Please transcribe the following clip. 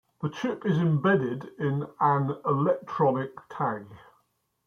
The chip is embedded in an electronic tag.